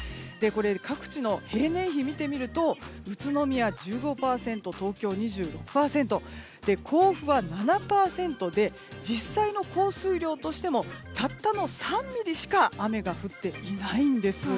各地の平年比を見てみると宇都宮１５％、東京２６％甲府は７％で実際の降水量としてもたったの３ミリしか雨が降っていないんです。